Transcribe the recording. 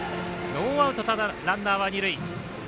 ノーアウト、ランナーは二塁。